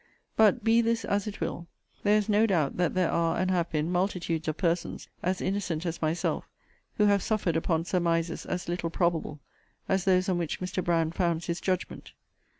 But, be this as it will, there is no doubt that there are and have been multitudes of persons, as innocent as myself, who have suffered upon surmises as little probable as those on which Mr. Brand founds his judgment.